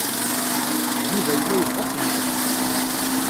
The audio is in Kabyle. Yuba yella yebɣa ad tt-nẓer.